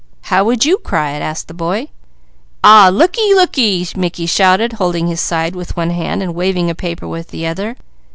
'" "How would you cry it?" asked the boy. "Aw looky! Looky! Looky!" Mickey shouted, holding his side with one hand and waving a paper with the other.